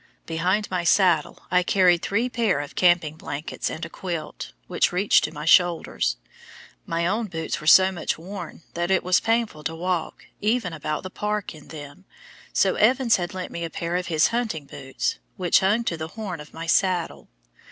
Behind my saddle I carried three pair of camping blankets and a quilt, which reached to my shoulders. My own boots were so much worn that it was painful to walk, even about the park, in them, so Evans had lent me a pair of his hunting boots, which hung to the horn of my saddle.